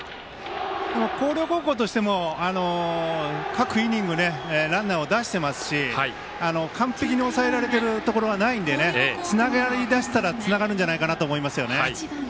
広陵高校としても、各イニングランナーを出してますし完璧に抑えられているところはないのでつながりだしたらつながるんじゃないかなと思いますよね。